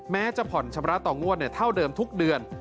จะผ่อนชำระต่องวดเท่าเดิมทุกเดือน